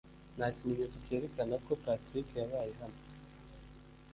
nta kimenyetso cyerekana ko patrick yabaye hano